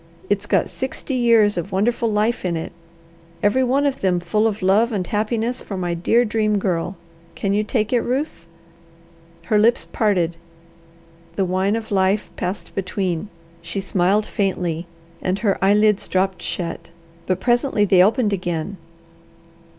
It's got sixty years of wonderful life in it, every one of them full of love and happiness for my dear Dream Girl. Can you take it, Ruth?" Her lips parted, the wine of life passed between. She smiled faintly, and her eyelids dropped shut, but presently they opened again.